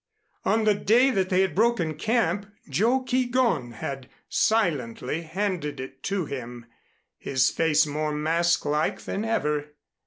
On the day that they had broken camp Joe Keegón had silently handed it to him, his face more masklike than ever.